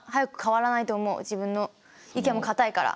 自分の意見も固いから。